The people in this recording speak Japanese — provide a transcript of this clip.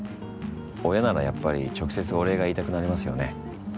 親ならやっぱり直接お礼が言いたくなりますよね。